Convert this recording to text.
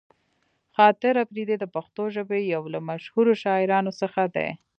خاطر اپريدی د پښتو ژبې يو له مشهورو شاعرانو څخه دې.